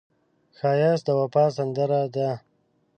ښایست د وفا سندره ده